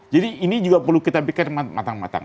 jadi ini juga perlu kita pikirkan matang matang